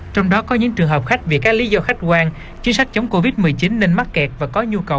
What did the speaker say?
trong đó có những trường hợp khách vì các lý do khách quan chính sách chống covid một mươi chín nên mắc kẹt và có nhu cầu